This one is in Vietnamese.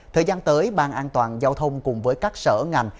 thời gian tới ban an toàn giao thông cùng với các sở ngành